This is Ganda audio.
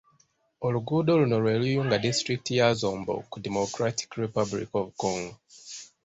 Oluguudo luno lwe luyunga disitulikiti ya Zombo ku Democratic Republic of Congo.